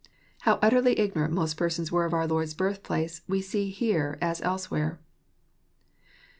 How utterly ignorant most persons ■were of our Lord's birthplace, we see here, as elsewhere. 42.